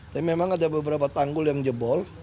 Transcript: tapi memang ada beberapa tanggul yang jebol